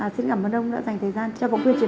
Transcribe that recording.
xin cảm ơn ông đã dành thời gian cho bộ khuyên truyền